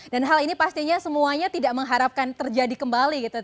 dan hal ini pastinya semuanya tidak mengharapkan terjadi kembali gitu